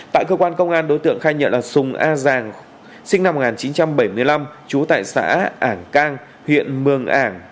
tại cơ quan công an đối tượng khai nhận là sùng a giàng sinh năm một nghìn chín trăm bảy mươi năm trú tại xã ảng cang huyện mường ảng